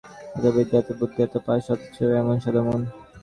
এত বিদ্যে, এত বুদ্ধি, এত পাস, অথচ এমন সাদা মন।